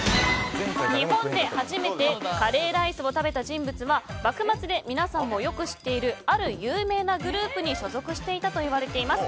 日本で初めてカレーライスを食べた人物は幕末で皆さんもよく知っているある有名なグループに所属していたといわれています。